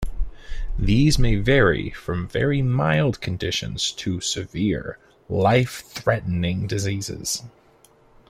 These may vary from very mild conditions to severe, life-threatening diseases.